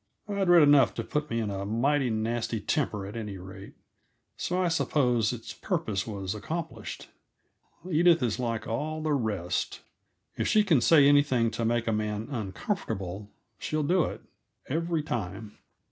I'd read enough to put me in a mighty nasty temper at any rate, so I suppose its purpose was accomplished. Edith is like all the rest: If she can say anything to make a man uncomfortable she'll do it, every time.